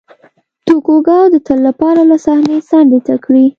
توکوګاوا د تل لپاره له صحنې څنډې ته کړي.